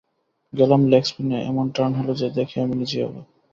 গেলাম লেগ স্পিনে, এমন টার্ন হলো যে দেখে আমি নিজেই অবাক।